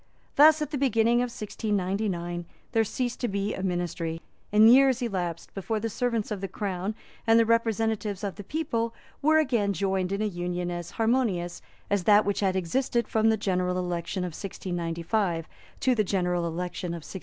Thus, at the beginning of 1699, there ceased to be a ministry; and years elapsed before the servants of the Crown and the representatives of the people were again joined in an union as harmonious as that which had existed from the general election of 1695 to the general election of 1698.